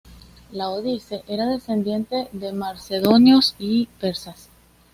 Laodice era descendiente de macedonios y persas.